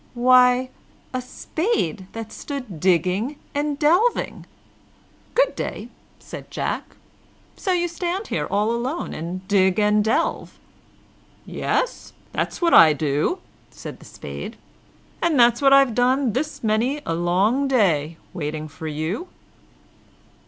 Why, a spade that stood there digging and delving. "Good day!" said Jack. "So you stand here all alone, and dig and delve!" "Yes, that's what I do," said the Spade, "and that's what I've done this many a long day, waiting for you."